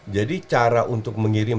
jadi cara untuk mengirim